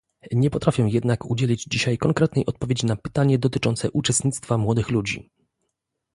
Nie potrafię jednak udzielić dzisiaj konkretnej odpowiedzi na pytanie dotyczące uczestnictwa młodych ludzi